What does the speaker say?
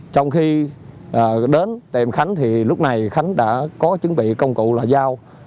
trong khi đến tìm khánh thì lúc này khánh đã có chuẩn bị công cụ là dao